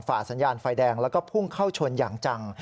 ฝ่าสัญญาณไฟแดงแล้วก็พุ่งเข้าชนอย่างจัง